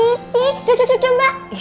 mami cik duduk duduk mbak